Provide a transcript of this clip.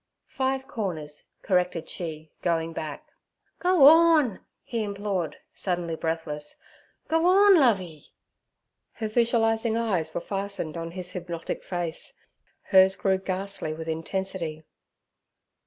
'Five corners' corrected she, going back. 'Go orn!' he implored, suddenly breathless. 'Go orn, Lovey!' Her visualizing eyes were fastened on his hypnotic face. Hers grew ghastly with intensity.